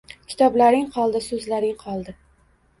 Kitoblaring qoldi, so‘zlaring qoldi